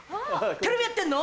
・テレビやってんの？